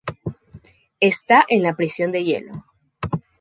Está en la prisión de hielo.